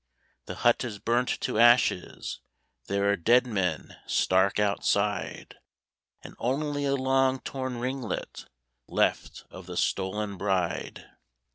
The hut is burnt to ashes, There are dead men stark outside, And only a long torn ringlet Left of the stolen bride.